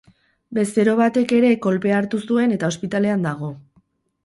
Bezero batek ere kolpea hartu zuen eta ospitalean dago.